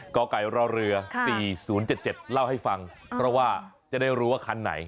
กไก่รอเรือ๔๐๗๗เล่าให้ฟังเพราะว่าจะได้รู้ว่าคันไหน